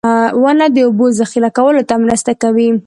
• ونه د اوبو ذخېره کولو ته مرسته کوي.